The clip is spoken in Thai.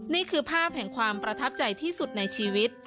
นี่คือภาพแห่งความประทับใจที่สุดในชีวิต